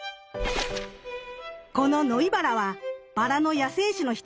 このノイバラはバラの野生種の一つ。